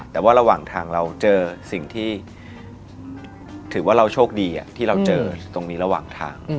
แต่ว่าระหว่างทางเราเจอสิ่งที่ถือว่าเราโชคดีที่เราเจอตรงนี้ระหว่างทาง